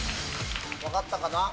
分かったかな？